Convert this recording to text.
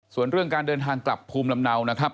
ส่วนเรื่องการเดินทางกลับภูมิลำเนานะครับ